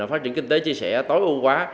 phát triển kinh tế chia sẻ tối ưu quá